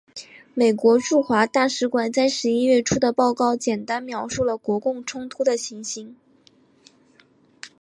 美国驻华大使馆在十一月初的报告简单描述了国共冲突的情形。